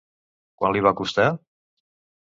Quant li va costar?